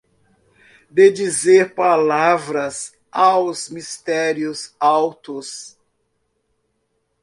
de dizer palavras aos mistérios altos